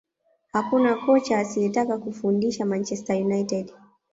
hakuna kocha asiyetaka kufundisha manchester united